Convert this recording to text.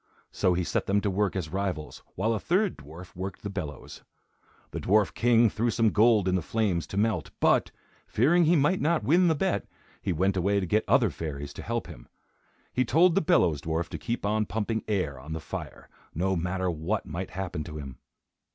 So he set them to work as rivals, while a third dwarf worked the bellows. The dwarf king threw some gold in the flames to melt; but, fearing he might not win the bet, he went away to get other fairies to help him. He told the bellows dwarf to keep on pumping air on the fire, no matter what might happen to him.